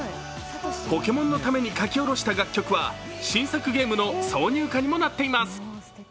ポケモンのために書き下ろした楽曲は新作ゲームの挿入歌にもなっています。